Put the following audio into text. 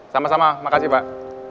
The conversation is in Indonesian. sama sama makasih mbak